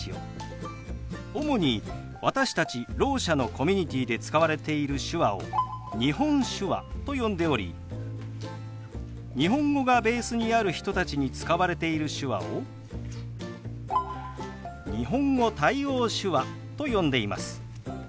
主に私たちろう者のコミュニティーで使われている手話を日本手話と呼んでおり日本語がベースにある人たちに使われている手話を日本語対応手話と呼んでいます。